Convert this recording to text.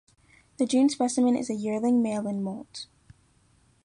The June specimen is a yearling male in moult.